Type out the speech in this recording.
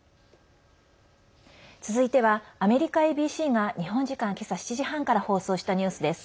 続いてはアメリカＡＢＣが日本時間、今朝７時半から放送したニュースです。